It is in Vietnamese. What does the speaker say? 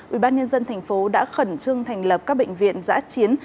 ubnd tp đã khẩn trương thành lập các bệnh viện giã chiến